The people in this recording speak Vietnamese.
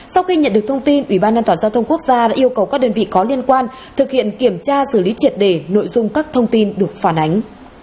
sau khi nhận được thông tin ủy ban an toàn giao thông quốc gia đã yêu cầu các đơn vị có liên quan thực hiện kiểm tra xử lý triệt đề nội dung các thông tin được phản ánh